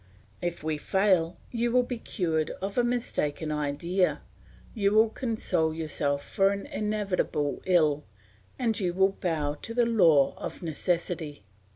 If we fail, you will be cured of a mistaken idea; you will console yourself for an inevitable ill, and you will bow to the law of necessity."